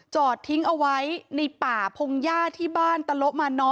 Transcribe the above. จอดทิ้งเอาไว้ในป่าพงหญ้าที่บ้านตะโละมาน้อ